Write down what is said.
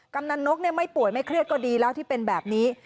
กำนันนกไม่ป่วยไม่เครียดก็ดีแล้วที่เป็นแบบนี้